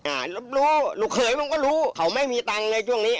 รับรู้ลูกเขยมันก็รู้เขาไม่มีตังค์เลยช่วงนี้